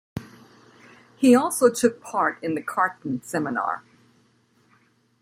He also took part in the Cartan seminar.